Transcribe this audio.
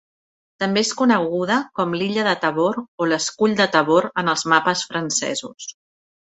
També és coneguda com l'illa de Tabor o l'escull de Tabor en els mapes francesos.